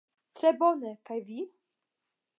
Tre bone kaj vi?